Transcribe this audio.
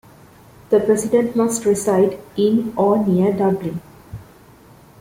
The president must reside in or near Dublin.